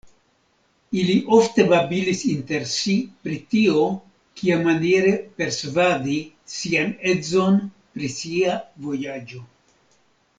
Ili ofte babilis inter si pri tio, kiamaniere persvadi sian edzon pri sia vojaĝo.